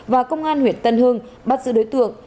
và công an huyện tân hưng bắt giữ đối tượng